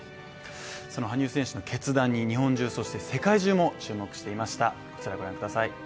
その羽生選手の決断に日本中、そして世界中も注目していました。